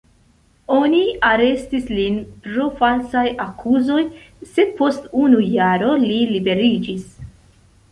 Oni arestis lin pro falsaj akuzoj, sed post unu jaro li liberiĝis.